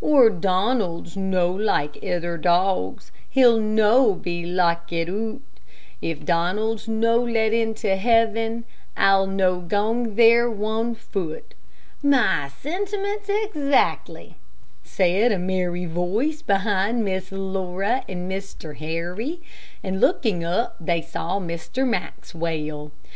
"Oor Donald's no like ither dogs, He'll no be lockit oot, If Donald's no let into heaven, I'll no gang there one foot." "My sentiments exactly," said a merry voice behind Miss Laura and Mr. Harry, and looking up they saw Mr. Maxwell.